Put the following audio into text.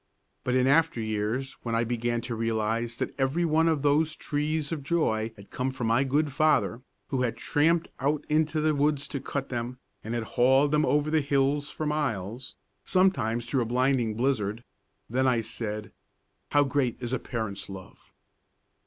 But in after years when I began to realise that every one of those trees of joy had come from my good father, who had tramped out into the woods to cut them and had hauled them over the hills for miles, sometimes through a blinding blizzard, then I said: "How great is a parent's love!"